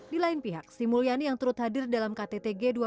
di lain pihak sri mulyani yang turut hadir dalam ktt g dua puluh